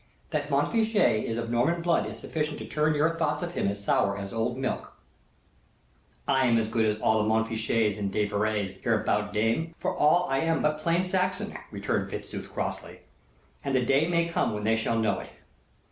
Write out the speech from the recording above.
"That Montfichet is of Norman blood is sufficient to turn your thoughts of him as sour as old milk " "I am as good as all the Montfichets and De Veres hereabout, dame, for all I am but plain Saxon," returned Fitzooth, crossly, "and the day may come when they shall know it.